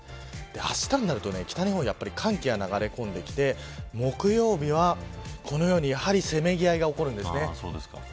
あしたになると北日本は寒気が流れ込んできて木曜日はこのようにせめぎ合いが起こるんですね。